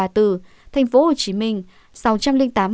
thành phố hồ chí minh sáu trăm linh tám bốn trăm linh tám